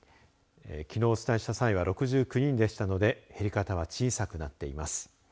きのうお伝えした際は６９人でしたので減り方は小さくなっています。